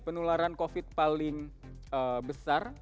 penularan covid paling besar